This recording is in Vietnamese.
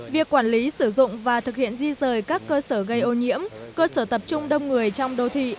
việc quản lý sử dụng và thực hiện di rời các cơ sở gây ô nhiễm cơ sở tập trung đông người trong đô thị